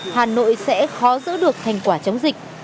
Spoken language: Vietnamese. hà nội sẽ khó giữ được thành quả chống dịch